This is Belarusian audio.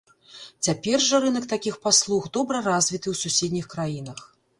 Цяпер жа рынак такіх паслуг добра развіты ў суседніх краінах.